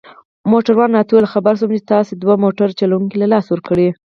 موټروان راته وویل: خبر شوم چي تاسي دوه موټر چلوونکي له لاسه ورکړي.